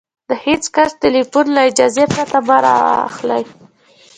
د هېڅ کس ټلیفون له اجازې پرته مه را اخلئ!